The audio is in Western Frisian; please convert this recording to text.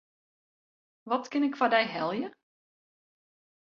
Wat kin ik foar dy helje?